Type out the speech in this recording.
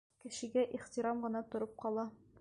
Кешегә ихтирам ғына тороп ҡала!